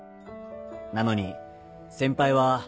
なのに先輩は。